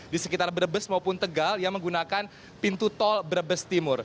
di sekitar brebes maupun tegal yang menggunakan pintu tol brebes timur